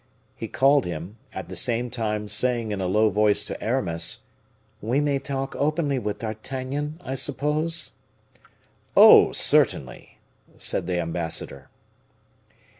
He called him, at the same time saying in a low voice to Aramis, "We may talk openly with D'Artagnan, I suppose?" "Oh! certainly," replied the ambassador.